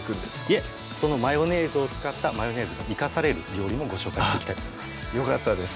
いえそのマヨネーズを使ったマヨネーズが生かされる料理もご紹介していきたいと思いますあっよかったです